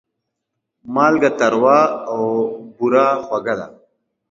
مالګه تروه او بوره خوږه ده.